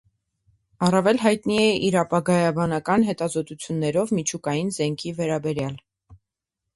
Առավել հայտնի է իր ապագայաբանական հետազոտություններով միջուկային զենքի վերաբերյալ։